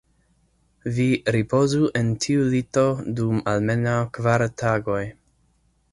Vi ripozu en tiu lito dum almenaŭ kvar tagoj.